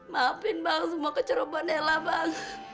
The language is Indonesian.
maafin bang semua kecerobohan nella bang